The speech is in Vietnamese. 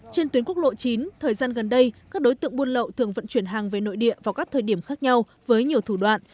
trên tuyến quốc lộ chín thời gian gần đây các đối tượng buôn lậu thường vận chuyển hàng về nội địa vào các thời điểm khác nhau với nhiều thủ đoạn